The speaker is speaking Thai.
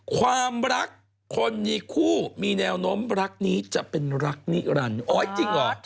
ความรักคนมีคู่มีแนวน้มรักนี้จะเป็นรักนิรันดร์